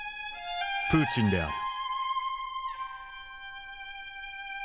プーチンである。